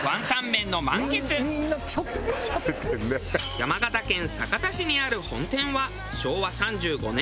山形県酒田市にある本店は昭和３５年創業。